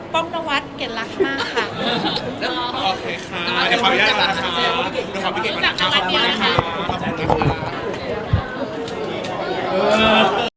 ป้องนาวัดเกดรักมากค่ะ